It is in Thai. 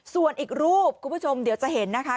ส่วนอีกรูปคุณผู้ชมเดี๋ยวจะเห็นนะคะ